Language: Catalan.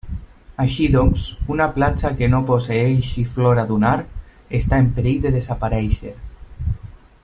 Així doncs, una platja que no posseeixi flora dunar està en perill de desaparèixer.